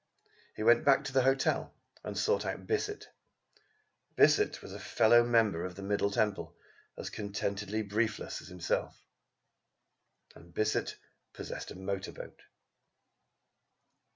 He went back to the hotel and sought out Bissett. Bissett was a fellow member of the Middle Temple, as contentedly briefless as himself. And Bissett possessed a motor boat.